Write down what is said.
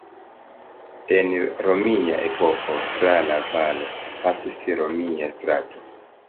En romia epoko tra la valo pasis romia strato.